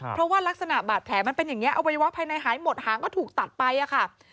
เพราะว่ารักษณะบาดแผลมันเป็นอย่างนี้อวัยวะภายในหายหมดหางก็ถูกตัดไปค่ะ